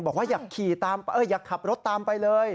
บอกว่าอยากขับรถตามไปเลย